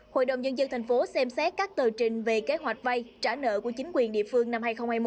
hội đồng nhân dân thành phố xem xét các tờ trình về kế hoạch vay trả nợ của chính quyền địa phương năm hai nghìn hai mươi một